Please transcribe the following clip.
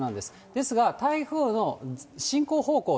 ですが、台風の進行方向